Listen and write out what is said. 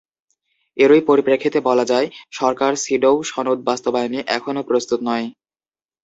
এরই পরিপ্রেক্ষিতে বলা যায়, সরকার সিডও সনদ বাস্তবায়নে এখনো প্রস্তুত নয়।